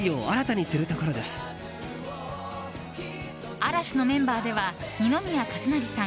嵐のメンバーでは二宮和也さん